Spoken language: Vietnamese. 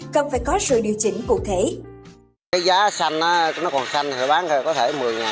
cần phải có sự điều chỉnh cụ thể